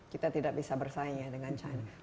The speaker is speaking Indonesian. kita tidak bisa bersaing ya dengan china